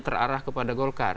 terarah kepada golkar